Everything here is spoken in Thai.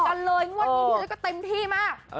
วันนี้พี่จ๊ะก็เต็มที่มาก